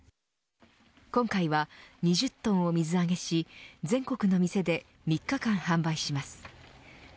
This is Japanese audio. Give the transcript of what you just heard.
今回は２０トンを水揚げし全国の店で３日間販売します。